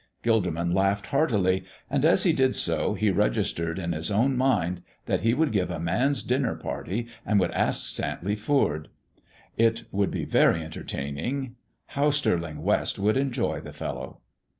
Gilderman laughed heartily, and as he did so he registered in his own mind that he would give a man's dinner party and would ask Santley Foord. It would be very entertaining. How Stirling West would enjoy the fellow.